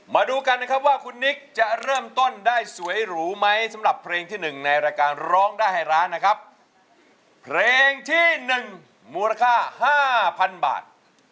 มาดูกันนะครับว่าคุณนิกจะเริ่มต้นได้สวยหรูไหมสำหรับเพลงที่หนึ่งในรายการร้องได้ให้ร้านนะครับเพลงที่๑มูลค่า๕๐๐๐บาท